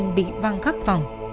nên bị văng khắp phòng